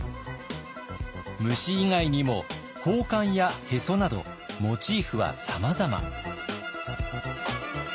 虫以外にも宝冠やへそなどモチーフはさまざま。